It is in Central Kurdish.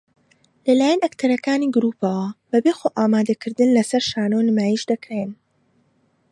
لە لایەن ئەکتەرەکانی گرووپەوە بەبێ خۆئامادەکردن لەسەر شانۆ نمایش دەکرێن